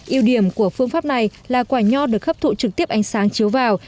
yêu điểm của phương pháp này là quả nho được hấp thụ trực tiếp ánh sáng chiếu vào